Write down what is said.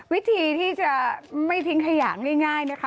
วิธีที่จะไม่ทิ้งขยะง่ายนะคะ